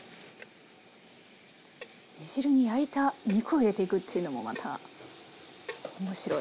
煮汁に焼いた肉を入れていくちゅうのもまた面白い。